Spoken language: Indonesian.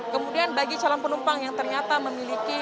kemudian bagi calon penumpang yang ternyata memiliki